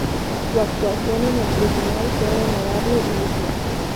Su actuación en el tribunal fue honorable y digna.